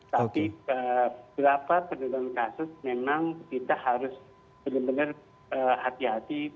tapi berapa penurunan kasus memang kita harus benar benar hati hati